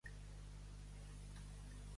Al Quer, macaleus.